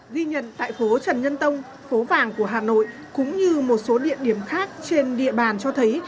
ghi nhận tại phố trần nhân tông phố vàng của hà nội cũng như một số địa điểm khác trên địa bàn cho thấy